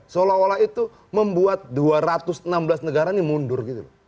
seolah olah itu membuat dua ratus enam belas negara ini mundur gitu loh